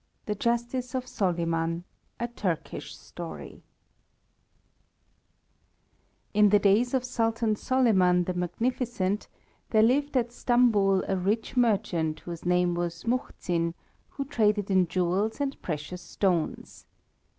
IV THE JUSTICE OF SOLIMAN A TURKISH STORY In the days of Sultan Soliman the Magnificent there lived at Stambul a rich merchant whose name was Muhzin, who traded in jewels and precious stones.